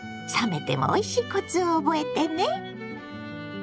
冷めてもおいしいコツを覚えてね。